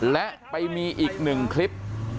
และไปมีอีกหนึ่งคลิป